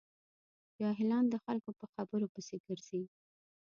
جاهلان د خلکو په خبرو پسې ګرځي.